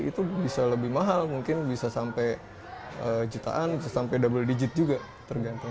itu bisa lebih mahal mungkin bisa sampai jutaan bisa sampai double digit juga tergantung